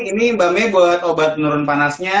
ini mbak may buat obat penurun panasnya